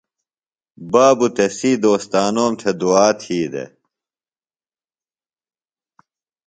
بابوۡ تسی دوستانوم تھےۡ دُعا تھی دےۡ۔